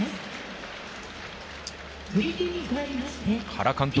原監督。